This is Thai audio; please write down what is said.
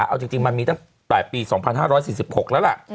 เอาจริงมันมีตั้งแต่ปี๒๕๔๖แล้วล่ะ